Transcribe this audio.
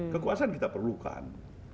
kekuasaan kita perlukan